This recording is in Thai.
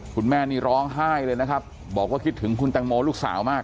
คุณแม่นี่ร้องไห้เลยนะครับบอกว่าคิดถึงคุณแตงโมลูกสาวมาก